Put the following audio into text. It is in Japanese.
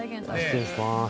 失礼します。